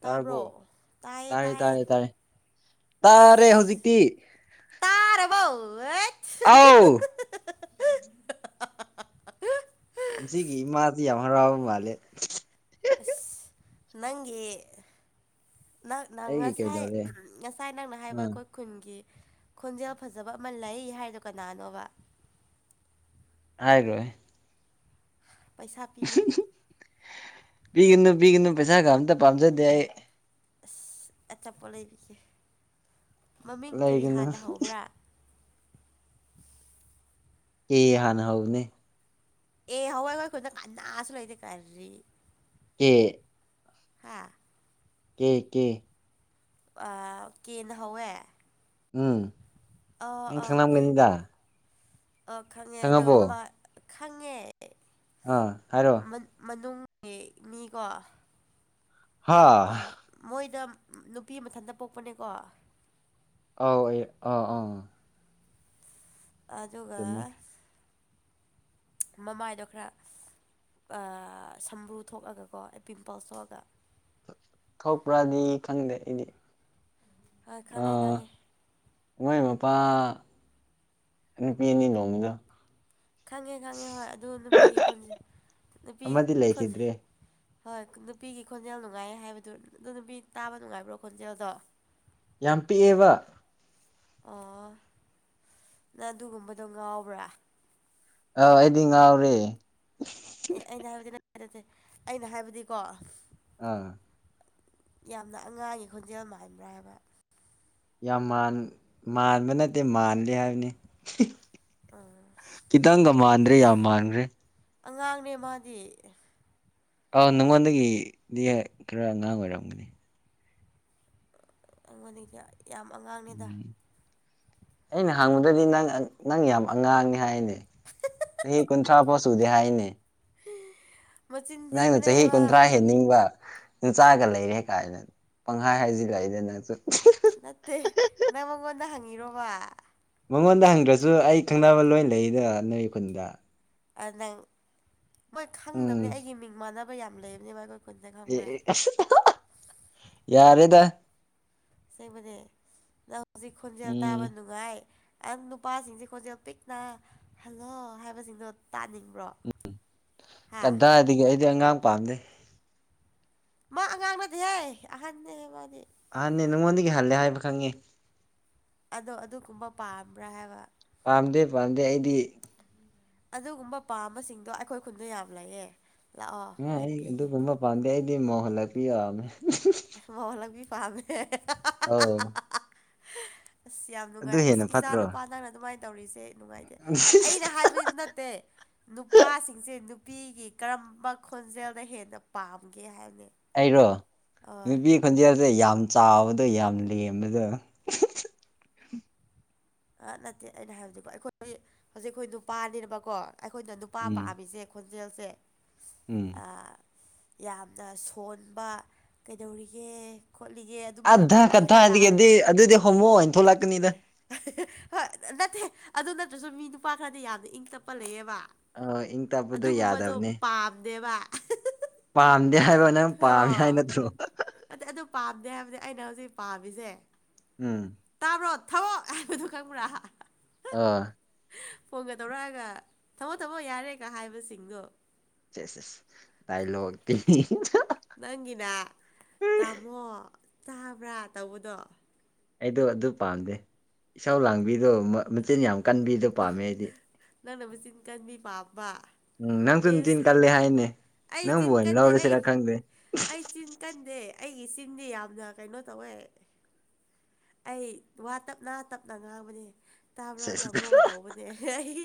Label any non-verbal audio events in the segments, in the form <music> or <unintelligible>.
ꯇꯥꯔꯕꯣ ꯇꯥꯕ꯭ꯔꯣ ꯇꯥꯏꯌꯦ ꯇꯥꯔꯦ ꯇꯥꯏꯌꯦ ꯇꯥꯔꯦ ꯇꯥꯔꯦ ꯇꯥꯔꯦ ꯑꯁ ꯍꯧꯖꯤꯛꯇꯤ ꯇꯥꯔꯕꯧ ꯋꯦꯠꯁ ꯑꯥꯎ ꯏꯆꯦꯒꯤ ꯏꯃꯥꯗꯤ ꯌꯥꯝ ꯍꯔꯥꯎ ꯃꯥꯜꯂꯦ ꯑꯁ ꯅꯪꯒꯤ ꯅꯪ ꯅ ꯑꯩꯒꯤ ꯉꯁꯥꯏ ꯀꯩꯗꯧꯔꯦ ꯎꯝ ꯉꯁꯥꯏ ꯅꯪꯅ ꯍꯥꯏꯕ ꯑꯥ ꯑꯩꯈꯣꯏ ꯈꯨꯟꯒꯤ ꯈꯣꯟꯖꯦꯜ ꯐꯖꯕ ꯑꯃ ꯂꯩ ꯍꯥꯏꯗꯣ ꯀꯅꯥꯅꯣꯕ ꯍꯥꯏꯒꯤꯔꯣꯏ ꯄꯩꯁꯥ ꯄꯤꯒꯦ ꯄꯤꯒꯅꯨ ꯄꯤꯒꯅꯨ ꯄꯩꯁꯥꯒ ꯑꯝꯇ ꯄꯥꯝꯖꯗꯦ ꯑꯩ ꯑꯆ ꯑꯆꯥꯄꯣꯠ ꯂꯩꯕꯤꯒꯦ ꯃꯃꯤꯡ ꯀꯔꯤ ꯂꯩꯒꯅꯨ ꯍꯥꯟꯅ ꯍꯧꯕ꯭ꯔꯥ ꯑꯦ ꯍꯥꯟꯅ ꯍꯧꯕꯅꯦ ꯑꯦ ꯍꯧꯔꯒ ꯈꯨꯟꯗ ꯀꯅꯥꯁꯨ ꯂꯩꯇꯦ ꯀꯔꯤ ꯑꯦ ꯍꯥꯥ ꯀꯦ ꯀꯦ ꯑꯥ ꯀꯦꯅ ꯍꯧꯋꯦ ꯎꯝ ꯅꯪ ꯈꯪꯂꯝꯒꯅꯤꯗ ꯑꯧ ꯈꯪꯉꯦ ꯑꯗꯣ ꯈꯪꯉꯕꯣ ꯃꯃꯥ ꯈꯪꯉꯦ ꯑꯥ ꯍꯥꯏꯔꯣ ꯃꯟ ꯃꯅꯨꯡꯒꯤ ꯃꯤꯀꯣ ꯍꯥ ꯑ, ꯃꯣꯏꯗ ꯅꯨꯄꯤ ꯃꯊꯟꯇ ꯄꯣꯛꯄꯅꯦꯀꯣ ꯑꯥꯎ ꯑꯦ ꯑꯥ ꯑꯥ ꯑꯗꯨꯒ ꯆꯨꯝꯃꯦ ꯃꯃꯥꯏꯗꯣ ꯈꯔ ꯑꯥ ꯁꯝꯕ꯭ꯔꯨ ꯊꯣꯛꯑꯒꯀꯣ ꯄꯤꯝꯄꯂ꯭ꯁ ꯊꯣꯛꯑꯒ ꯊꯣꯛꯄ꯭ꯔꯥꯗꯤ ꯈꯪꯗꯦ ꯑꯩꯗꯤ ꯍꯣꯏ ꯈꯪꯉꯦ ꯑꯥ ꯈꯪꯉꯦ ꯃꯣꯏ ꯃꯄꯥ ꯅꯨꯄꯤ ꯑꯅꯤ ꯂꯣꯟꯕꯗꯣ ꯈꯪꯉꯦ ꯈꯪꯉꯦ ꯍꯣꯏ ꯑꯗꯨ ꯅꯨꯄꯤꯒꯤ ꯈꯣꯟꯖ ꯅꯨꯄꯤ ꯑꯃꯗꯤ ꯈꯣꯟꯁ ꯂꯩꯈꯤꯗ꯭ꯔꯦ ꯍꯣꯏ ꯅꯨꯄꯤꯒꯤ ꯈꯣꯟꯖꯦꯜ ꯅꯨꯡꯉꯥꯏ ꯍꯥꯏꯕꯗꯨ ꯑꯗꯨ ꯅꯨꯄꯤ ꯇꯥꯕ ꯅꯨꯡꯉꯥꯏꯕ꯭ꯔꯣ ꯈꯣꯟꯖꯦꯜꯗꯣ ꯌꯥꯝ ꯄꯤꯛꯑꯦꯕ ꯑꯣ ꯅꯪ ꯑꯗꯨꯒꯨꯝꯕꯗꯣ ꯉꯥꯎꯕ꯭ꯔꯥ ꯑꯥꯎ ꯑꯩꯗꯤ ꯉꯥꯎꯔꯦ ꯑꯦ ꯑꯩꯅ ꯍꯥꯏꯕꯗꯤ ꯅꯠ ꯅꯠꯇꯦ ꯑꯩꯅ ꯍꯥꯏꯕꯗꯤꯀꯣ ꯑꯥ ꯌꯥꯝꯅ ꯑꯉꯥꯡꯒꯤ ꯈꯣꯟꯖꯦꯜ ꯃꯥꯟꯕ꯭ꯔꯥ ꯍꯥꯏꯕ ꯌꯥꯝ ꯃꯥꯟ ꯃꯥꯟꯕ ꯅꯠꯇꯦ ꯃꯥꯟꯂꯤ ꯍꯥꯏꯕꯅꯤ ꯎꯝ ꯈꯤꯇꯪꯒ ꯃꯥꯟꯗ꯭ꯔꯦ ꯌꯥꯝ ꯃꯥꯟꯈ꯭ꯔꯦ ꯑꯉꯥꯡꯅꯦ ꯃꯥꯗꯤ ꯑꯣ ꯅꯪꯉꯣꯟꯗꯒꯤꯗꯤ ꯈꯔ ꯑꯉꯥꯡ ꯑꯣꯏꯔꯝꯒꯅꯤ ꯑꯩꯉꯣꯟꯗꯩꯗꯤ ꯌꯥꯝ ꯑꯉꯥꯡꯅꯤꯗ ꯎꯝ ꯑꯩꯅ ꯍꯪꯕꯗꯗꯤ ꯅꯪ ꯑꯛ ꯅꯪ ꯌꯥꯝ ꯑꯉꯥꯡꯅꯦ ꯍꯥꯏꯅꯦ ꯆꯍꯤ ꯀꯨꯟꯊ꯭ꯔꯥ ꯐꯥꯎ ꯁꯨꯗꯦ ꯍꯥꯏꯅꯦ ꯍꯦ ꯍꯥ ꯅꯪꯅ ꯆꯍꯤ ꯀꯨꯟꯊ꯭ꯔꯥ ꯍꯦꯟꯅꯤꯡꯕ ꯅꯆꯥꯒ ꯂꯩꯔꯦ ꯀꯥꯏꯅ ꯄꯪꯍꯥꯏ ꯍꯥꯏꯖꯤꯜꯂꯛꯏꯗ ꯅꯪꯁꯨ ꯅꯠꯇꯦ ꯅꯪ ꯃꯉꯣꯟꯗ ꯍꯪꯉꯤꯔꯣꯕ ꯃꯉꯣꯟꯗ ꯍꯪꯗ꯭ꯔꯁꯨ ꯑꯩ ꯈꯪꯅꯕ ꯂꯣꯏ ꯂꯩꯗ ꯅꯣꯏ ꯈꯨꯟꯗ ꯑꯥ ꯅꯪ ꯃꯣꯏ ꯎꯝ ꯈꯪꯗꯕꯅꯦ ꯑꯩꯒꯤ ꯃꯤꯡ ꯃꯥꯟꯅꯕ ꯌꯥꯝ ꯂꯩꯝꯅꯦꯕ ꯑꯈꯣꯏ ꯈꯨꯟꯗ ꯈꯪꯕ꯭ꯔꯥ <unintelligible> ꯌꯥꯔꯦꯗ ꯁꯦꯡꯕꯅꯦ ꯅꯪ ꯍꯣꯖꯤꯛ ꯈꯣꯟꯖꯦꯜ ꯎꯝ ꯇꯥꯕ ꯅꯨꯡꯉꯥꯏ ꯑꯪ ꯅꯨꯄꯥꯁꯤꯡꯁꯦ ꯈꯣꯟꯖꯦꯜ ꯄꯤꯛꯅ ꯍꯜꯂꯣ ꯍꯥꯏꯕꯁꯤꯡꯗꯣ ꯇꯥꯅꯤꯡꯕ꯭ꯔꯣ ꯍꯥ ꯀꯗꯥꯏꯗꯒꯤ ꯑꯩꯗꯤ ꯑꯉꯥꯡ ꯄꯥꯝꯗꯦ ꯃꯥ ꯑꯉꯥꯡ ꯅꯠꯇꯦꯍꯦ ꯑꯍꯟꯅꯦ ꯃꯥꯗꯤ ꯑꯍꯟꯅꯦ ꯅꯪꯉꯣꯟꯗꯒꯤ ꯍꯜꯂꯦ ꯍꯥꯏꯕ ꯈꯪꯉꯦ ꯑꯗꯣ ꯑꯗꯨꯒꯨꯝꯕ ꯄꯥꯝꯕ꯭ꯔꯥ ꯍꯥꯏꯕ ꯄꯥꯝꯗꯦ ꯄꯥꯝꯗꯦ ꯑꯩꯗꯤ ꯑꯗꯨꯒꯨꯝꯕ ꯄꯥꯝꯕꯁꯤꯡꯗꯣ ꯑꯩꯈꯣꯏ ꯈꯨꯟꯗ ꯌꯥꯝ ꯂꯩꯌꯦ ꯂꯥꯛꯑꯣ ꯉꯥ ꯑꯩ ꯄꯤꯒꯦ ꯑꯗꯨꯒꯨꯝꯕ ꯄꯥꯝꯗꯦ ꯑꯩꯗꯤ ꯃꯧ ꯍꯜꯂꯛꯄꯤ ꯌꯥꯝ ꯃꯧ ꯍꯜꯂꯛꯄꯤ ꯄꯥꯝꯃꯦ ꯑꯧ ꯑꯁ ꯌꯥꯝ ꯑꯗꯨ ꯅꯨꯡꯉꯥꯏ ꯑꯁ ꯍꯦꯟꯅ ꯏꯆꯥ ꯐꯠꯇ꯭ꯔꯣ ꯅꯨꯄꯥ ꯅꯪꯅ ꯑꯗꯨꯃꯥꯏ ꯇꯧꯔꯤꯁꯦ ꯅꯨꯡꯉꯥꯏꯇꯦ ꯑꯩꯅ ꯍꯥꯏꯕꯗꯤ ꯗꯨ ꯅꯠꯇꯦ ꯅꯨꯄꯥꯁꯤꯡꯁꯦ ꯅꯨꯄꯤꯒꯤ ꯀꯔꯝꯕ ꯈꯣꯟꯖꯦꯜꯅ ꯍꯦꯟꯅ ꯄꯥꯝꯒꯦ ꯍꯥꯏꯕꯅꯦ ꯑꯩꯔꯣ ꯑꯣ ꯅꯨꯄꯤ ꯈꯣꯟꯖꯦꯜꯁꯦ ꯌꯥꯝ ꯆꯥꯎꯕꯗꯣ ꯌꯥꯝ ꯂꯦꯝꯕꯗꯣ ꯑꯥ ꯅꯠꯇꯦ ꯑꯩꯅ ꯍꯥꯏꯕꯗꯨ ꯑꯩꯈꯣꯏ ꯍꯧꯖꯤꯛ ꯑꯈꯣꯏ ꯅꯨꯄꯥꯅꯦꯕꯀꯣ ꯑꯩꯈꯣꯏꯅ ꯅꯨꯄꯥ ꯎꯝ ꯄꯥꯝꯃꯤꯖꯦ ꯈꯣꯟꯖꯦꯜꯁꯦ ꯎꯝ ꯑꯥ ꯌꯥꯝꯅ ꯁꯣꯟꯕ ꯀꯩꯗꯧꯔꯤꯒꯦ ꯈꯣꯠꯂꯤꯒꯦ ꯑꯗꯨꯝ ꯍꯪꯕ ꯑꯙꯥ ꯃꯤ ꯈꯔ ꯀꯠꯊꯥꯏꯗꯒꯗꯤ ꯂꯥꯛ ꯑꯗꯨꯗꯤ ꯍꯣꯃꯣ ꯑꯣꯏꯅ ꯊꯣꯛꯂꯛꯀꯅꯤꯗ ꯍꯣ ꯅꯠꯇꯦ ꯑꯗꯨ ꯅꯠꯇ꯭ꯔꯁꯨ ꯃꯤ ꯅꯨꯄꯥ ꯈꯔꯗꯤ ꯌꯥꯝꯅ ꯏꯪ ꯇꯞꯄ ꯂꯩꯌꯦꯕ ꯑꯥ ꯏꯪ ꯇꯞꯄꯗꯣ ꯑꯗꯨꯒꯨꯝꯕꯗꯣ ꯌꯥꯗꯕꯅꯦ ꯄꯥꯝꯗꯦꯕ ꯄꯥꯝꯗꯦ ꯍꯥꯏꯕ ꯅꯪ ꯄꯥꯝꯃꯦ ꯍꯥꯏ ꯅꯠꯇ꯭ꯔꯣ ꯑꯇꯦ ꯑꯗꯨ ꯄꯥꯝꯗꯦ ꯍꯥꯏꯕꯗꯤ ꯑꯩꯅ ꯍꯧꯖꯤꯛ ꯄꯥꯝꯃꯤꯁꯦ ꯎꯝ ꯇꯥꯕ꯭ꯔꯣ ꯊꯃꯣ ꯍꯥꯏꯕꯗꯣ ꯈꯪꯕ꯭ꯔꯥ ꯑꯥ ꯐꯣꯟꯒ ꯇꯧꯔꯛꯑꯒ ꯊꯝꯃꯣ ꯊꯝꯃꯣ ꯌꯥꯔꯦ ꯀꯥ ꯍꯥꯏꯕꯁꯤꯡꯗꯣ ꯁꯤꯁꯤꯁ ꯇꯥꯏꯂꯣꯛꯇꯤ ꯅꯪꯒꯤꯅ ꯇꯥꯃꯣ ꯇꯥꯕ꯭ꯔꯥ ꯇꯧꯕꯗꯣ ꯑꯩꯗꯣ ꯑꯗꯨ ꯄꯥꯝꯗꯦ ꯏꯁꯧ ꯂꯥꯡꯕꯤꯗꯣ ꯃꯥ ꯃꯆꯤꯟ ꯌꯥꯝ ꯀꯟꯕꯤꯗꯣ ꯄꯥꯝꯃꯦ ꯑꯩꯗꯤ ꯅꯪꯅ ꯃꯆꯤꯟ ꯀꯟꯕꯤ ꯄꯥꯝꯕ ꯎꯝ ꯅꯪꯁꯨ ꯅꯆꯤꯟ ꯑꯦꯁ ꯀꯜꯂꯦ ꯍꯥꯏꯅꯦ ꯑꯩ ꯅꯪꯕꯨ ꯆꯤꯟ ꯑꯣꯏꯅ ꯀꯟꯗꯦ ꯑꯩ ꯂꯧꯔꯁꯤꯔꯥ ꯈꯪꯗꯦ ꯑꯩ ꯆꯤꯟ ꯀꯟꯗꯦ ꯑꯩꯒꯤ ꯆꯤꯟꯗꯤ ꯌꯥꯝꯅ ꯀꯩꯅꯣ ꯇꯧꯋꯦ ꯑꯩ ꯋꯥ ꯇꯞꯅ ꯇꯞꯅ ꯉꯥꯡꯕꯅꯦ ꯇꯥꯕ꯭ꯔꯣ ꯁꯦꯁ ꯇꯥꯃꯣꯒ ꯇꯧꯕꯅꯦ ꯑꯩ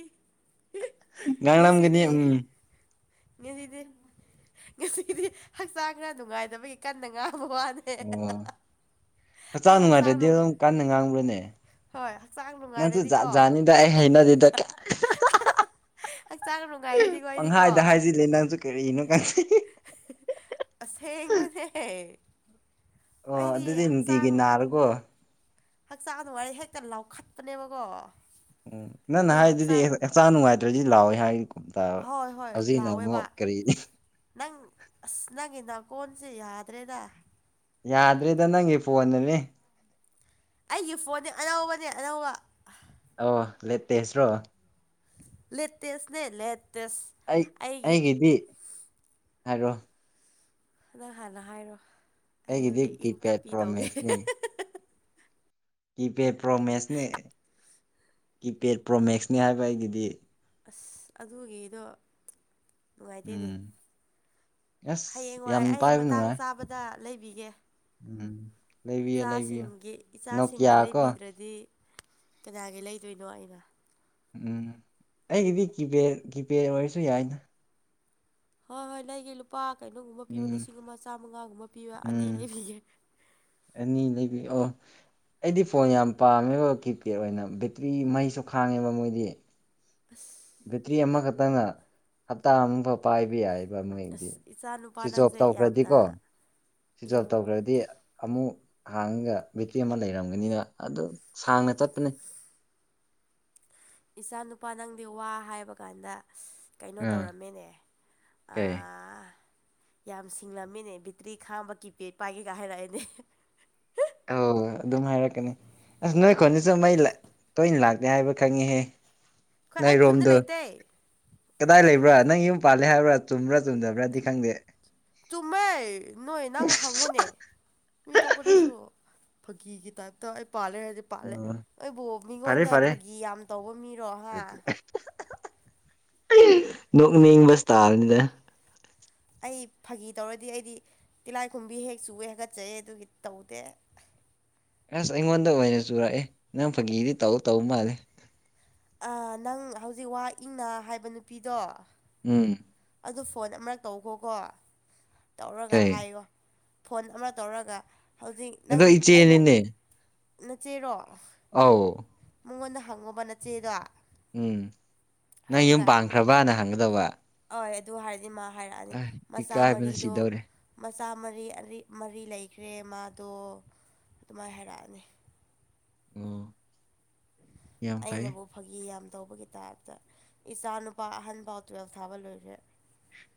ꯉꯥꯡꯂꯝꯒꯅꯤ ꯉꯁꯤꯗꯤ ꯎꯝ ꯉꯁꯤꯗꯤ ꯉꯁꯤꯗꯤ ꯍꯛꯆꯥꯡ ꯈꯔ ꯅꯨꯡꯉꯥꯏꯇꯕꯒꯤ ꯀꯟꯅ ꯉꯥꯡꯕ ꯋꯥꯅꯤ ꯑꯣ ꯍꯛꯆꯥꯡ ꯅꯨꯡꯉꯥꯏꯇ꯭ꯔꯗꯤ ꯑꯗꯨꯝ ꯀꯥꯟꯅ ꯉꯥꯡꯕ꯭ꯔꯅꯦ ꯍꯣꯏ ꯍꯛꯆꯥꯡ ꯅꯪꯁꯨ ꯖꯥꯠ ꯅꯨꯡꯉꯥꯏꯔꯗꯤꯀꯣ ꯖꯥꯠꯅꯤꯗ ꯑꯩ ꯍꯩꯅꯗꯦꯗ ꯀꯥꯏ ꯍꯛꯆꯥꯡ ꯅꯨꯡꯉꯥꯏꯔꯗꯤꯀꯣ ꯑꯩꯗꯤꯀꯣ ꯄꯪꯍꯥꯏꯗ ꯍꯥꯏꯖꯤꯜꯂꯤ ꯅꯪꯁꯨ ꯀꯔꯤꯅꯣ ꯈꯪꯅꯦ ꯑꯁꯦꯡꯕꯅꯦ ꯑꯣ ꯑꯩꯗꯤ ꯑꯗꯨꯗꯤ ꯅꯨꯡꯇꯤꯒꯤ ꯍꯛꯆꯥꯡ ꯅꯥꯔꯒꯣ ꯍꯛꯆꯥꯡ ꯅꯨꯡꯉꯥꯏꯔ ꯍꯦꯛꯇ ꯂꯥꯎꯈꯠꯄꯅꯦꯕꯒꯣ ꯎꯝ ꯅꯪꯅ ꯍꯥꯏꯗꯨꯗꯤ ꯍꯛꯆꯥꯡ ꯅꯨꯡꯉꯥꯏꯇ꯭ꯔꯗꯤ ꯂꯥꯎꯋꯦ ꯍꯥꯏ ꯇꯥꯕ ꯍꯣꯏ ꯍꯣꯏ ꯍꯧꯖꯤꯛꯅ ꯑꯃꯨꯛ ꯂꯥꯎꯋꯦꯕ ꯀꯔꯤ ꯅꯪ ꯑꯁ ꯅꯪꯒꯤ ꯅꯥꯀꯣꯟꯁꯦ ꯌꯥꯗ꯭ꯔꯦꯗ ꯌꯥꯗ꯭ꯔꯦꯗ ꯅꯪꯒꯤ ꯐꯣꯟꯅꯅꯦ ꯑꯩꯒꯤ ꯐꯣꯟꯗꯤ ꯑꯅꯧꯕꯅꯦ ꯑꯅꯧꯕ ꯑꯣ ꯂꯦꯇꯦꯁꯔꯣ ꯂꯦꯇꯦꯁꯅꯦ ꯂꯦꯇꯦꯁ ꯑꯩ ꯑꯩꯒꯤ ꯑꯩꯒꯤꯗꯤ ꯍꯥꯏꯔꯣ ꯅꯪ ꯍꯥꯟꯅ ꯍꯥꯏꯔꯣ ꯑꯩ ꯑꯩꯒꯤꯗꯤ ꯍꯧꯖꯤꯛ ꯏꯪ ꯀꯤꯄꯦꯠ ꯇꯞꯄꯤ ꯇꯧꯒꯦ ꯄ꯭ꯔꯣꯃꯦꯛꯁꯅꯦ ꯀꯤꯄꯦꯠ ꯄ꯭ꯔꯣꯃꯦꯁꯅꯦ ꯀꯤꯄꯦꯠ ꯄ꯭ꯔꯣꯃꯦꯛꯁꯅꯦ ꯍꯥꯏꯕ ꯑꯩꯒꯤꯗꯤ ꯑꯁ ꯑꯗꯨꯒꯤꯗꯣ ꯅꯨꯡꯉꯥꯏꯇꯦꯅꯦ ꯎꯝ ꯑꯁ ꯌꯥꯝ ꯍꯌꯦꯡꯋꯥꯏ ꯑꯩ ꯄꯥꯏꯕ ꯃꯇꯥꯡ ꯅꯨꯡꯉꯥꯏ ꯆꯥꯕꯗ ꯂꯩꯕꯤꯒꯦ ꯎꯝ ꯂꯩꯕꯤꯌꯣ ꯂꯩꯕꯤꯌꯣ ꯏꯆꯥꯁꯤꯡꯒꯤ ꯅꯣꯀꯤꯌꯥ ꯏꯆꯥꯁꯤꯡꯒꯤ ꯀꯣ ꯂꯩꯕꯤꯗ꯭ꯔꯗꯤ ꯀꯅꯥꯒꯤ ꯂꯩꯗꯣꯏꯅꯣ ꯑꯩꯅ ꯎꯝ ꯑꯩꯒꯤꯗꯤ ꯀꯤꯕꯦꯔ ꯀꯤꯕꯦꯔ ꯑꯣꯏꯔꯁꯨ ꯌꯥꯏꯅ ꯍꯣꯏ ꯍꯣꯏ ꯂꯩꯒꯦ ꯂꯨꯄꯥ ꯀꯩꯅꯣꯒꯨꯝꯕ ꯄꯤꯕ ꯎꯝ ꯂꯤꯁꯤꯡ ꯑꯃ ꯆꯥꯝꯃꯉꯥꯒꯨꯝꯕ ꯄꯤꯕ ꯑꯅꯤ ꯎꯝ ꯂꯩꯕꯤꯒꯦ ꯑꯅꯤ ꯂꯩꯕꯤ ꯑꯣ ꯑꯩꯗꯤ ꯐꯣꯟ ꯌꯥꯝ ꯄꯥꯝꯃꯦꯕ ꯀꯤꯄꯦꯠ ꯑꯣꯏꯅ ꯕꯦꯇ꯭ꯔꯤ ꯃꯩꯁꯨ ꯈꯥꯡꯉꯦꯕ ꯃꯣꯏꯗꯤ ꯑꯁ ꯕꯦꯇ꯭ꯔꯤ ꯑꯃꯈꯛꯇꯪꯅ ꯍꯞꯇꯥ ꯑꯃꯐꯥꯎ ꯄꯥꯏꯕ ꯌꯥꯏ ꯗꯨꯒ ꯃꯣꯏꯗꯤ ꯑꯁ ꯏꯆꯥ ꯅꯨꯄꯥ ꯁ꯭ꯋꯤꯆ ꯑꯣꯐ ꯅꯪꯁꯦ ꯌꯥꯝꯅ ꯇꯧꯈ꯭ꯔꯗꯤꯀꯣ ꯁ꯭ꯋꯤꯆ ꯑꯣꯐ ꯇꯧꯈ꯭ꯔꯗꯤ ꯑꯃꯨꯛ ꯍꯥꯡꯉꯒ ꯕꯦꯇ꯭ꯔꯤ ꯑꯃ ꯂꯩꯔꯝꯒꯅꯤꯅ ꯑꯗꯨ ꯁꯥꯡꯅ ꯆꯠꯄꯅꯦ ꯏꯆꯥ ꯅꯨꯨꯄꯥ ꯅꯪꯗꯤ ꯋꯥ ꯍꯥꯏꯕ ꯀꯥꯟꯗ ꯀꯩꯅꯣ ꯑꯥ ꯇꯧꯔꯝꯃꯦꯅꯦ ꯀꯩ ꯑꯥ ꯌꯥꯝ ꯁꯤꯡꯂꯝꯃꯦꯅꯦ ꯕꯦꯇ꯭ꯔꯤ ꯈꯥꯡꯕ ꯀꯤꯄꯦꯠ ꯄꯥꯏꯒꯦꯒ ꯍꯥꯏꯔꯛꯑꯦꯅꯦ ꯑꯣ ꯑꯗꯨꯝ ꯍꯥꯏꯔꯛꯀꯅꯤ ꯑꯁ ꯅꯣꯏ ꯈꯨꯟꯁꯤꯁꯨ ꯃꯩ ꯂꯥ ꯇꯣꯏꯅ ꯂꯥꯛꯇꯦ ꯍꯥꯏꯕ ꯈꯪꯉꯤꯍꯦ ꯑꯩ ꯈꯨꯟꯗ ꯅꯩꯔꯣꯝꯗꯨ ꯂꯩꯇꯦ ꯀꯗꯥꯏ ꯂꯩꯕ꯭ꯔꯥ ꯅꯪ ꯌꯨꯝ ꯄꯥꯜꯂꯦ ꯍꯥꯏꯕ꯭ꯔꯥ ꯆꯨꯝꯕ꯭ꯔꯥ ꯆꯨꯝꯗꯕꯔ꯭ ꯆꯨꯝꯃꯦ ꯅꯣꯏ ꯅꯪ ꯍꯪꯉꯨꯅꯦ ꯃꯤ ꯑꯇꯣꯞꯄꯗꯁꯨ ꯐꯥꯒꯤꯒꯤ ꯇꯥꯏꯞꯇ ꯑꯩ ꯄꯥꯜꯂꯦ ꯍꯥꯏꯔꯗꯤ ꯄꯥꯜꯂꯦ ꯑꯣ ꯑꯩꯕꯨ ꯐꯔꯦ ꯃꯤꯉꯣꯟꯗ ꯐꯔꯦ ꯐꯥꯒꯤ ꯌꯥꯝ ꯇꯧꯕ ꯃꯤꯔꯣ ꯍꯥ ꯅꯣꯛꯅꯤꯡꯕ ꯁ꯭ꯇꯥꯜꯅꯤꯗ ꯑꯩ ꯐꯥꯒꯤ ꯇꯧꯔꯗꯤ ꯑꯩꯗꯤ ꯇꯤꯂꯥꯏꯈꯨꯝꯕꯤ ꯍꯦꯛ ꯆꯨꯌꯦ ꯍꯒꯠꯆꯩ ꯑꯗꯨꯒꯤ ꯇꯧꯗꯦ ꯑꯁ ꯑꯩꯉꯣꯟꯗ ꯑꯣꯏꯅ ꯆꯨꯔꯛꯑꯦ ꯅꯪ ꯐꯥꯒꯤꯗꯤ ꯇꯧ ꯇꯧ ꯃꯥꯜꯂꯦ ꯑꯥ ꯅꯪ ꯍꯧꯖꯤꯛ ꯋꯥ ꯏꯪꯅ ꯍꯥꯏꯕ ꯅꯨꯄꯤꯗꯣ ꯎꯝ ꯑꯗꯨ ꯐꯣꯟ ꯑꯃꯔꯛ ꯇꯧꯈꯣꯀꯣ ꯇꯧꯔꯒ ꯀꯩ ꯍꯥꯏꯌꯣ ꯐꯣꯟ ꯑꯃꯔꯛ ꯇꯧꯔꯒ ꯍꯧꯖꯤꯛ ꯅꯪ ꯑꯗꯣ ꯑꯩꯕꯨ ꯏꯆꯦꯅꯤꯅꯦ ꯅꯆꯦꯔꯣ ꯑꯧ ꯃꯪꯉꯣꯟꯗ ꯍꯪꯉꯣꯕ ꯅꯆꯦꯗꯣ ꯎꯝ ꯅꯪ ꯌꯨꯝ ꯄꯥꯟꯈ꯭ꯔꯕꯥꯅ ꯍꯪꯒꯗꯧꯕ ꯑꯣꯏ ꯑꯗꯨ ꯍꯥꯏꯔꯗꯤ ꯃꯥ ꯍꯥꯏꯔꯛꯑꯅꯤ ꯑ ꯃꯆꯥ ꯏꯀꯥꯏꯕꯅ ꯃꯔꯤꯗꯣ ꯁꯤꯗꯧꯔꯦ ꯃꯆꯥ ꯃꯔꯤ ꯑꯔꯤ ꯃꯔꯤ ꯂꯩꯈ꯭ꯔꯦ ꯃꯥꯗꯣ ꯑꯗꯨꯃꯥꯏ ꯍꯥꯏꯔꯛꯑꯅꯤ ꯎꯉꯣ ꯑꯩꯅꯕꯨꯞ__ ꯐꯥꯒꯤ ꯌꯥꯝ ꯇꯧꯕꯒꯤ ꯇꯥꯏꯞꯇ ꯏꯆꯥ ꯅꯨꯄꯥ ꯑꯍꯟꯐꯥꯎ ꯇꯨꯌꯦꯜꯐ ꯊꯥꯕ ꯂꯣꯏꯈ꯭ꯔꯦ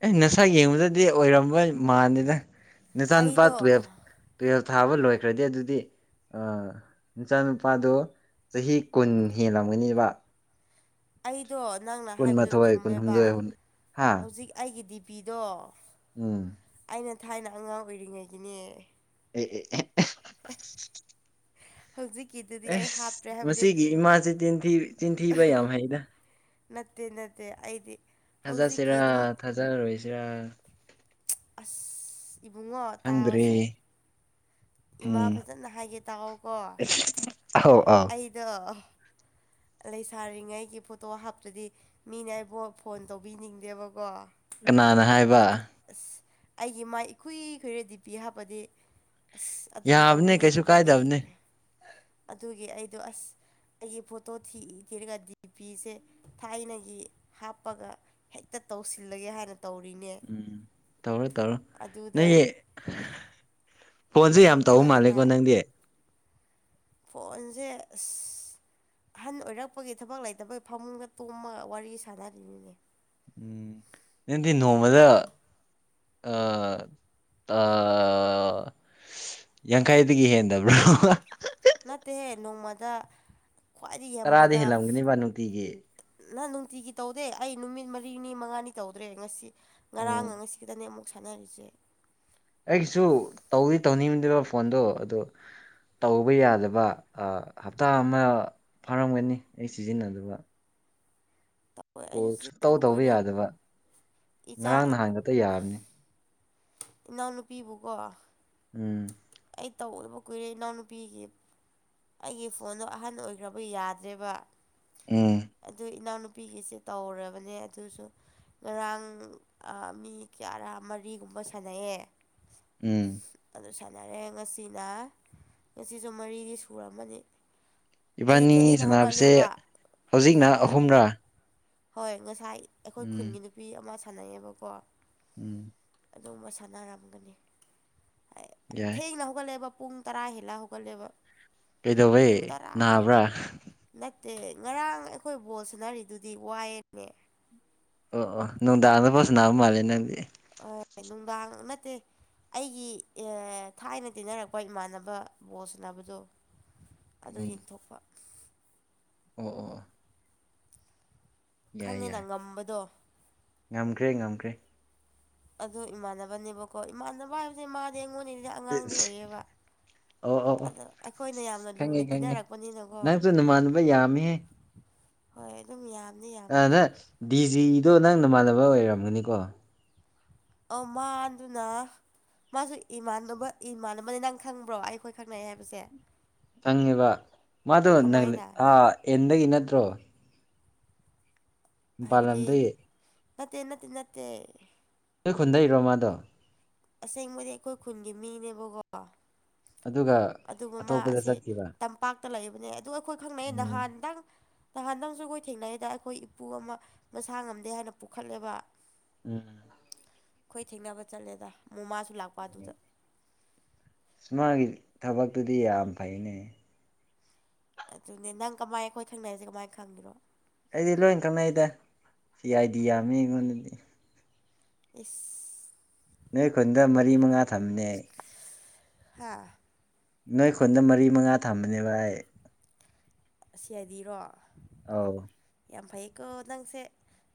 ꯑꯦ ꯅꯁꯛ ꯌꯦꯡꯕꯗꯗꯤ ꯑꯣꯏꯔꯝꯃꯣꯏ ꯃꯥꯟꯗꯦꯗ ꯅꯆꯥ ꯅꯨꯨꯄꯥ ꯑꯩꯗꯣ ꯇꯨꯋꯦꯜꯞ__ ꯇꯨꯋꯦꯜꯞ ꯊꯥꯕ ꯂꯣꯏꯈ꯭ꯔꯗꯤ ꯑꯗꯨꯗꯤ ꯑꯥ ꯅꯆꯥꯅꯨꯄꯥꯗꯣ ꯆꯍꯤ ꯀꯨꯟ ꯍꯦꯜꯂꯝꯒꯅꯦꯕ ꯑꯩꯗꯣ ꯅꯪꯅ ꯍꯥꯏꯕꯗꯣ ꯀꯨꯟꯃꯥꯊꯣꯏ ꯆꯨꯝꯃꯦꯕ ꯀꯨꯟꯍꯨꯝꯗꯣꯏ ꯍꯨꯝ ꯍꯥ ꯍꯧꯖꯤꯛ ꯑꯩꯒꯤ ꯗꯤꯄꯤꯗꯣ ꯎꯝ ꯑꯩꯅ ꯊꯥꯏꯅ ꯑꯉꯥꯡ ꯑꯣꯏꯔꯤꯉꯩꯒꯤꯅꯦ ꯑꯦ ꯑꯦ ꯑꯦ ꯑꯦꯍ ꯍꯧꯖꯤꯛꯀꯤꯗ__ ꯑꯦꯁ ꯃꯁꯤꯒꯤ ꯏꯃꯥꯁꯦ ꯆꯤꯟꯊꯤ ꯆꯤꯟꯊꯤꯕ ꯌꯥꯝ ꯍꯩꯗ ꯅꯠꯇꯦ ꯅꯠꯇꯦ ꯑꯩꯗꯤ ꯍꯧꯖꯤꯛꯀꯤ ꯊꯥꯖꯁꯤꯔ ꯑꯗꯨꯝ ꯊꯥꯖꯔꯣꯏꯁꯤꯔ ꯑꯁ ꯏꯕꯨꯡꯉꯣ ꯈꯪꯗ꯭ꯔꯦ ꯇꯥꯋꯣꯁꯦ ꯎꯝ ꯍꯥꯏꯒꯦ ꯑꯁ ꯑꯧ ꯑꯧ ꯏꯗꯣ ꯂꯩꯁꯥꯔꯤꯉꯩꯒꯤ ꯐꯣꯇꯣ ꯍꯥꯞꯇ꯭ꯔꯗꯤ ꯃꯤꯅ ꯑꯩꯕꯣ ꯐꯣꯟ ꯇꯧꯕꯤꯅꯤꯡꯗꯦꯕꯀꯣ ꯀꯅꯥꯅ ꯍꯥꯏꯕ ꯑꯗ ꯑꯁ ꯑꯩꯒꯤ ꯃꯥꯏ ꯏꯈꯨꯢ ꯈꯨꯢꯔ ꯗꯤꯄꯤ ꯍꯥꯞꯄꯗꯤ ꯑꯁ ꯑꯗꯨꯒꯤ ꯌꯥꯕꯅꯦ ꯀꯩꯁꯨ ꯇꯧꯕꯤꯅꯤꯡꯗꯕꯒꯤ ꯀꯥꯏꯗꯕꯅꯦ ꯑꯗꯨꯒꯤ ꯑꯩꯗꯣ ꯑꯁ ꯑꯩꯒꯤ ꯐꯣꯠ__ ꯇꯣ ꯊꯤ ꯊꯤꯔꯒ ꯗꯤꯄꯤꯁꯦ ꯊꯥꯏꯅꯒꯤ ꯍꯥꯞꯄꯒ ꯍꯦꯛꯇ ꯇꯧꯁꯤꯜꯂꯒꯦ ꯍꯥꯏꯅ__ ꯇꯧꯔꯤꯅꯦ ꯎꯝ ꯇꯧꯔꯣ ꯇꯧꯔꯣ ꯑꯗꯨꯗ ꯅꯣꯏꯌꯦ ꯐꯣꯟꯖꯦ ꯌꯥꯝ ꯂꯥꯏꯕꯛ ꯇꯧ ꯐꯗꯅ ꯃꯥꯜꯂꯦꯀꯣ ꯅꯪꯗꯤ ꯐꯣꯟꯖꯦ ꯑꯁ ꯑꯍꯟ ꯑꯣꯏꯔꯛꯄꯒꯤ ꯊꯕꯛ ꯂꯩꯇꯕꯩ ꯐꯃꯨꯡꯗ ꯇꯣꯝꯃꯒ ꯋꯥꯔꯤ ꯁꯥꯟꯅꯔꯤꯅꯤꯅꯦ ꯎꯝ ꯅꯪꯗꯤ ꯅꯣꯡꯃꯗ ꯑꯥ ꯇꯥ ꯌꯥꯡꯈꯩꯗꯒꯤ ꯍꯦꯟꯗꯕ꯭ꯔꯣ ꯅꯠꯇꯦꯍꯦ ꯅꯣꯡꯃꯗ ꯈ꯭ꯋꯥꯏꯗꯒꯤ ꯇꯔꯥꯗꯤ ꯌꯥꯝꯕꯗ ꯐꯤꯐ ꯍꯦꯜꯂꯝꯒꯅꯤꯕ ꯅꯨꯡꯇꯤꯒꯤ ꯇꯠ ꯅ ꯅꯨꯡꯇꯤꯒꯤ ꯇꯧꯗꯦ ꯑꯩ ꯅꯨꯃꯤꯠ ꯃꯔꯤꯅꯤ ꯃꯉꯥꯅꯤ ꯇꯧꯗ꯭ꯔꯦ ꯉꯁꯤ ꯎꯝ ꯉꯔꯥꯡꯒ ꯉꯁꯤ ꯈꯤꯇꯅꯦ ꯑꯃꯨꯛ ꯁꯥꯟꯅꯔꯤꯁꯦ ꯑꯩꯒꯤꯁꯨ ꯇꯧꯗꯤ ꯇꯧꯅꯤꯡꯗꯦꯕ ꯐꯣꯟꯗꯣ ꯑꯗꯣ ꯇꯧꯕ ꯌꯥꯗꯕ ꯑ ꯍꯞꯇꯥ ꯑꯃ ꯐꯥꯔꯝꯒꯅꯤ ꯑꯩ ꯁꯤꯖꯤꯟꯅꯗꯕ ꯇꯧꯋꯦ ꯀꯣꯜ ꯑꯩꯁꯨ ꯁꯨꯛꯇꯧ ꯆꯤꯟꯅꯗꯕ ꯇꯧꯕ ꯀꯨꯏꯔꯦ ꯌꯥꯗꯕ ꯏꯆꯥ ꯉꯔꯥꯡ ꯅꯍꯥꯟ ꯈꯛꯇ ꯌꯥꯕꯅꯤ ꯏꯅꯥꯎꯅꯨꯄꯤꯕꯨꯀꯣ ꯎꯝ ꯑꯩ ꯇꯧꯗꯕ ꯀꯨꯏꯔꯦ ꯏꯅꯥꯎꯅꯨꯄꯤꯒꯤ ꯑꯩꯒꯤ ꯐꯣꯟꯗꯣ ꯑꯍꯟ ꯑꯣꯏꯈ꯭ꯔꯕꯩ ꯌꯥꯗ꯭ꯔꯦꯕ ꯎꯝ ꯑꯗꯨ ꯏꯅꯥꯎꯅꯨꯄꯤꯒꯤꯁꯦ ꯇꯧꯔꯕꯅꯦ ꯑꯗꯨꯁꯨ ꯉꯔꯥꯡ ꯑꯥ ꯃꯤ ꯀ꯭ꯌꯥꯔꯥ ꯃꯔꯤꯒꯨꯝꯕ ꯁꯥꯟꯅꯩꯌꯦ ꯎꯝ ꯑꯗꯨ ꯁꯥꯟꯅꯔꯦ ꯉꯁꯤꯅ ꯉꯁꯤꯁꯨ ꯃꯔꯤꯗꯤ ꯁꯨꯔꯝꯃꯅꯤ ꯑꯩ ꯏꯕꯥꯅꯤ ꯊꯦꯡꯅ ꯍꯧꯒꯠꯂꯦꯕ ꯁꯥꯟꯅꯕꯁꯦ ꯍꯧꯖꯤꯛꯅ ꯃꯔꯤ ꯑꯍꯨꯝꯔꯥ ꯍꯣꯏ ꯉꯁꯥꯏ ꯑꯩꯈꯣꯏ ꯎꯝ ꯈꯨꯟꯒꯤ ꯅꯨꯄꯤ ꯑꯃ ꯁꯥꯟꯅꯩꯌꯦꯕꯀꯣ ꯎꯝ ꯑꯗꯨꯃ ꯁꯥꯅꯔꯝꯒꯅꯤ ꯑꯩ ꯌꯥꯏ ꯊꯦꯡꯅ ꯍꯧꯒꯠꯂꯦꯕ ꯄꯨꯡ ꯇꯔꯥ ꯍꯦꯜꯂ ꯍꯧꯒꯜꯂꯦꯕ ꯀꯩꯗꯧꯋꯦ ꯅꯥꯕ꯭ꯔꯥ ꯅꯠꯇꯦ ꯉꯔꯥꯡ ꯑꯩꯈꯣꯏ ꯕꯣꯜ ꯁꯟꯅꯔꯤꯗꯨꯗꯤ ꯋꯥꯏꯌꯦꯅꯦ ꯑꯣ ꯑꯣ ꯅꯨꯡꯗꯥꯥꯛꯗ ꯕꯣꯜ ꯁꯟꯅꯥꯕ ꯃꯥꯜꯂꯦ ꯅꯪꯗꯤ ꯑꯥ ꯅꯨꯡꯗꯥꯡ ꯅꯠꯇꯦ ꯑꯩꯒꯤ ꯑꯦ ꯊꯥꯏꯅ ꯇꯤꯟꯅꯔꯛꯄ ꯏꯃꯥꯟꯅꯕ ꯕꯣꯜ ꯁꯟꯅꯕꯗꯨ ꯑꯗꯨ ꯎꯝ ꯌꯦꯡꯊꯣꯛꯄ ꯑꯣ ꯑꯣ ꯌꯥꯏ ꯈꯪꯉꯦꯅ ꯌꯥꯏ ꯉꯝꯕꯗꯣ ꯉꯝꯈ꯭ꯔꯦ ꯉꯝꯈ꯭ꯔꯦ ꯑꯗꯨ ꯏꯃꯥꯟꯅꯕꯅꯦꯕꯀꯣ ꯏꯃꯥꯟꯅꯕ ꯍꯥꯏꯕꯁꯦ ꯃꯥꯗꯤ ꯑꯩꯉꯣꯟꯗꯒꯤꯗꯤ ꯑꯉꯥꯡꯗꯤ ꯏꯁ ꯑꯣꯏꯌꯦꯕ ꯑꯣ ꯑꯣ ꯑꯣ ꯑꯗꯣ ꯑꯩꯈꯣꯏꯅ ꯌꯥꯝꯅ ꯈꯪꯉꯦ ꯂꯨꯅ ꯈꯪꯉꯦ ꯇꯤꯟꯅꯔꯛꯄꯅꯤꯅꯀꯣ <unintelligible> ꯅꯪꯁꯨ ꯅꯃꯥꯟꯅꯕ ꯌꯥꯝꯃꯤꯍꯦ ꯍꯣꯏ ꯑꯗꯨꯝ ꯌꯥꯝꯅꯤ ꯌꯥ ꯑꯥ ꯅꯪ ꯗꯤꯖꯤꯗꯣ ꯅꯪ ꯅꯃꯥꯟꯅꯕ ꯑꯣꯏꯔꯝꯒꯅꯤꯀꯣ ꯑꯧ ꯃꯥꯟꯗꯨꯅ ꯃꯥꯁꯨ ꯏꯃꯥꯟꯅꯕ ꯏꯃꯥꯟꯅꯕꯅꯦ ꯅꯪ ꯈꯪꯕ꯭ꯔꯣ ꯑꯩꯈꯣꯏ ꯈꯪꯅꯩ ꯍꯥꯏꯕꯁꯦ ꯈꯪꯉꯦꯕ ꯃꯥꯗꯣ ꯅꯒ꯭ꯂꯦ ꯀꯃꯥꯏꯅ ꯑꯥ ꯑꯦꯟꯗꯒꯤ ꯅꯠꯇ꯭ꯔꯣ ꯃꯄꯥꯟ ꯍꯥꯏꯕꯗꯤ ꯂꯝꯗꯒꯤ ꯅꯠꯇꯦ ꯅꯠꯇꯦ ꯅꯠꯇꯦ ꯅꯣꯏ ꯈꯨꯟꯗꯩꯔꯣ ꯃꯥꯗꯣ ꯑꯁꯦꯡꯕꯗꯤ ꯑꯩꯈꯣꯏ ꯈꯨꯟꯒꯤ ꯃꯤꯅꯦꯕꯀꯣ ꯑꯗꯨꯒ ꯑꯗꯨꯒ ꯃꯥ ꯑꯇꯣꯞꯄꯗ ꯑꯁꯤ ꯆꯠꯈꯤꯕ ꯇꯝ ꯄꯥꯛꯇ ꯂꯩꯕꯅꯦ ꯑꯗꯨ ꯑꯩꯈꯣꯏ ꯈꯪꯅꯩꯌꯦ ꯎꯝ ꯅꯍꯥꯟ ꯅꯪ ꯅꯍꯥꯟ ꯅꯪꯁꯨ ꯑꯩꯈꯣꯏ ꯊꯦꯡꯅꯩꯌꯦꯗ ꯑꯩꯈꯣꯏ ꯏꯄꯨ ꯑꯃ ꯃꯁꯥ ꯉꯝꯗꯦ ꯍꯥꯏꯅ ꯄꯨꯈꯠꯂꯦꯕ ꯎꯝ ꯈꯣꯏ ꯊꯦꯡꯅꯕ ꯆꯠꯂꯦꯗ ꯃꯣ ꯃꯥꯁꯨ ꯂꯥꯛꯄ ꯑꯗꯨꯗ <unintelligible> ꯃꯥꯒꯤ ꯊꯕꯛꯇꯨꯗꯤ ꯌꯥꯝ ꯐꯩꯅꯦ ꯑꯗꯨꯅꯦ ꯅꯪ ꯀꯃꯥꯏ ꯑꯩꯈꯣꯏ ꯈꯪꯅꯩꯢꯁꯦ ꯀꯃꯥꯏꯟ ꯈꯪꯉꯤꯅꯣ ꯑꯩꯗꯤ ꯂꯣꯏ ꯈꯪꯅꯩꯗ ꯁꯤ ꯑꯥꯏ ꯗꯤ ꯌꯥꯝꯅꯤ ꯑꯩꯉꯣꯟꯗꯗꯤ ꯏꯁ ꯅꯣꯏ ꯈꯨꯟꯗ ꯃꯔꯤ ꯃꯉꯥ ꯊꯝꯃꯤꯅꯦ <unintelligible> ꯍꯥꯥ ꯅꯣꯏ ꯈꯨꯟꯗ ꯃꯔꯤ ꯃꯉꯥ ꯊꯝꯕꯅꯦꯕ ꯑꯥꯢ ꯑꯁꯤ ꯑꯥꯢ ꯗꯤꯔꯣ ꯑꯧ ꯌꯥꯝ ꯐꯩꯀꯣ ꯅꯪꯁꯦ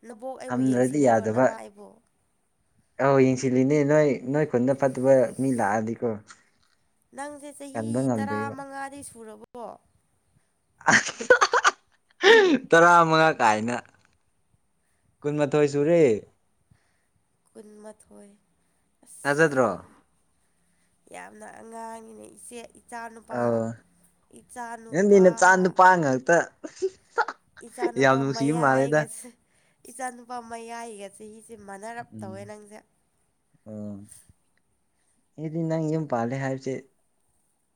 ꯅꯕꯣꯛ ꯑꯩꯕꯨ ꯊꯝꯗ꯭ꯔꯗꯤ ꯌꯦꯡꯁꯤꯜꯂꯤꯔꯣ ꯌꯥꯗꯕ ꯅꯃꯥ ꯑꯩꯕꯨ꯫ ꯑꯧ ꯌꯦꯡꯁꯤꯜꯂꯤꯅꯦ ꯅꯣꯏ ꯅꯣꯏ ꯈꯨꯟꯗ ꯐꯠꯇꯕ ꯃꯤ ꯂꯥꯛꯑꯗꯤꯀꯣ ꯅꯪꯖꯦ ꯆꯍꯤ ꯀꯟꯕ ꯇꯔꯥ ꯉꯝꯗꯣꯏꯕ ꯃꯉꯥꯗꯤ ꯁꯨꯔꯕꯣ <unintelligible> ꯇꯔꯥ ꯃꯉꯥ ꯀꯥꯏꯅ ꯀꯨꯟꯃꯥꯊꯣꯏ ꯁꯨꯨꯔꯦ ꯀꯨꯟꯃꯊꯣꯏ ꯑꯁ ꯊꯥꯖꯗ꯭ꯔꯣ ꯌꯥꯝꯅ ꯑꯉꯥꯡꯅꯤꯅꯦ ꯏꯆꯦ ꯏꯆꯥꯅꯨꯄꯥ ꯑꯧ ꯅꯪꯗꯤ ꯏꯆꯥꯅꯨꯄꯥ ꯅꯆꯥ ꯅꯨꯄꯥ ꯉꯥꯛꯇ <unintelligible> ꯌꯥꯝ ꯏꯆꯥꯅꯨꯄꯥ ꯅꯨꯡꯁꯤꯕ ꯃꯥꯜꯂꯦꯗ ꯃꯌꯥꯏꯒꯁ ꯏꯆꯥꯅꯨꯄꯥ ꯃꯌꯥꯏꯒ ꯆꯍꯤꯁꯦ ꯃꯥꯟꯅꯔꯞ ꯇꯧꯋꯦ ꯅꯪꯁꯦ ꯑꯥ ꯑꯩꯗꯤ ꯅꯪ ꯌꯨꯝ ꯄꯥꯜꯂꯦ ꯍꯥꯏꯕꯁꯦ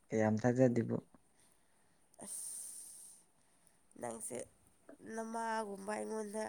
ꯀꯌꯥꯝ ꯊꯥꯖꯗꯦꯕꯣ ꯑꯁ ꯅꯪꯁꯦ ꯅꯃꯥꯒꯨꯝꯕ ꯑꯩꯉꯣꯟꯗ